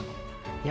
いや。